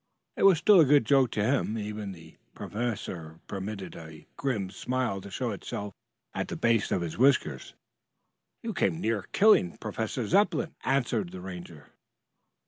It was still a good joke to him. Even the professor permitted a grim smile to show itself at the base of his whiskers. "You came near killing Professor Zepplin," answered the Ranger.